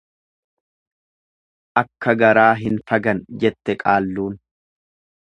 Akka garaa hin fagan jette qaalluun.